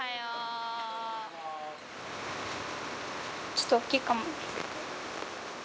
ちょっと大きいかも。